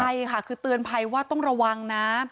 ใช่ค่ะคือเตือนภัยว่าต้องระวังนะ